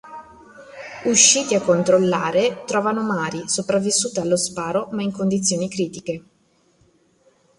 Usciti a controllare, trovano Mari, sopravvissuta allo sparo ma in condizioni critiche.